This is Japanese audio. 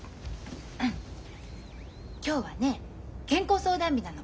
今日はね健康相談日なの。